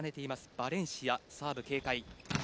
バレンシア、サーブ警戒。